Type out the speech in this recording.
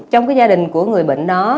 trong cái gia đình của người bệnh đó